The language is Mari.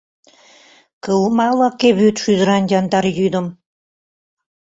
Кылма лаке вӱд шӱдыран яндар йӱдым?